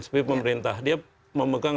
seperti pemerintah dia memegang